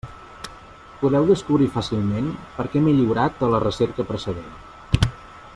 Podeu descobrir fàcilment per què m'he lliurat a la recerca precedent.